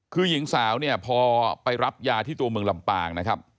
คือหญิงสาวเนี่ยพอไปรับยาที่ตัวเมืองลำปางนะครับ